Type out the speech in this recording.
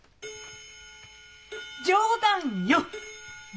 冗談よ！